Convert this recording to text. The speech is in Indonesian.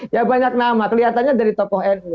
ya banyak nama kelihatannya dari tokoh nu